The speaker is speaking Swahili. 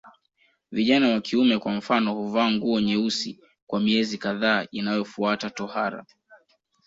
Vijana wa kiume kwa mfano huvaa nguo nyeusi kwa miezi kadhaa inayofuata tohara